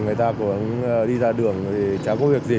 người ta cũng đi ra đường thì chẳng có việc gì